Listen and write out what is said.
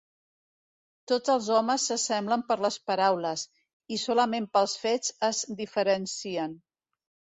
Tots els homes s'assemblen per les paraules, i solament pels fets es diferencien.